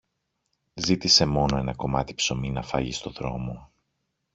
Ζήτησε μόνο ένα κομμάτι ψωμί να φάγει στο δρόμο